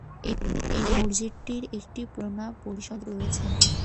এই মসজিদটির একটি পরিচালনা পরিষদ রয়েছে।